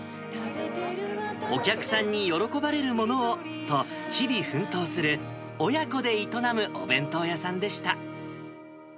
お客さんに喜ばれるものをと、日々奮闘する親子で営むお弁当屋さんでした。